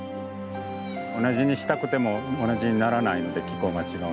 同じにしたくても同じにならないので気候が違うので。